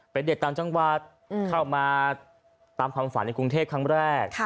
เป็นเด็กต่างจังหวัดเข้ามาตามความฝันในกรุงเทพครั้งแรก